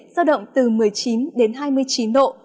giao động từ một mươi chín đến hai mươi chín độ